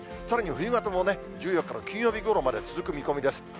さらに冬型もね、１４日の金曜日ごろまで続く見込みです。